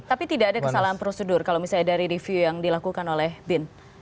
tapi tidak ada kesalahan prosedur kalau misalnya dari review yang dilakukan oleh bin